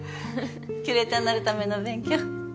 キュレーターになるための勉強？